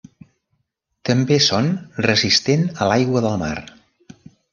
També són resistent a l'aigua del mar.